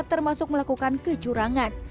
termasuk melakukan kecurangan